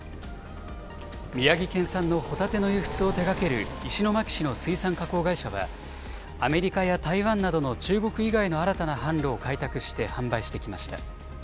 宮城県産のホタテの輸出を手がける石巻市の水産加工会社は、アメリカや台湾などの中国以外の新たな販路を開拓して販売してきました。